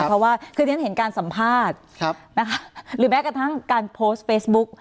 เพราะว่าคือเรียนเห็นการสัมภาษณ์นะคะหรือแม้กระทั่งการโพสต์เฟซบุ๊ก